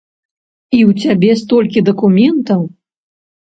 І ў цябе столькі дакументаў?